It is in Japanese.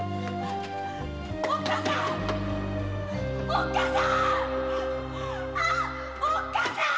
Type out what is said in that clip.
おっ母さん！